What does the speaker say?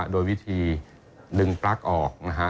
โดยวิธีดึงปลั๊กออกนะฮะ